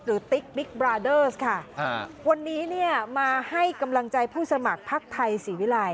หรือติ๊กบราเดอร์ค่ะอ่าวันนี้เนี่ยมาให้กำลังใจผู้สมัครพรรคไทยสีวิรัย